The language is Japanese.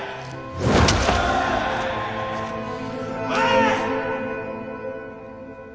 ・おい！